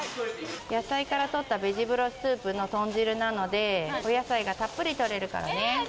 野菜から取ったベジブロススープの豚汁なので、お野菜がたっぷりとれるからね。